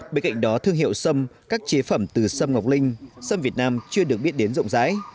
bên cạnh đó thương hiệu sâm các chế phẩm từ sâm ngọc linh sâm việt nam chưa được biết đến rộng rãi